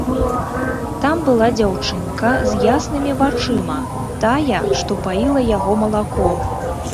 Там была дзяўчынка з яснымі вачыма, тая, што паіла яго малаком.